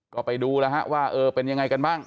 ก็ไปดูว่าเออเป็นยังไงกันบ้าง